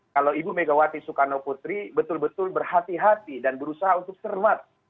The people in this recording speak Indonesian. kalau ibu megawati soekarno putri betul betul berhati hati dan berusaha untuk cermat